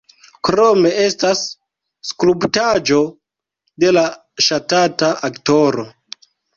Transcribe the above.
Krome estas skulptaĵo de la ŝatata aktoro.